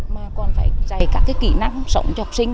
mà còn phải dạy các cái kỹ năng sống cho học sinh